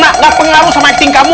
gak pengaruh sama acting kamu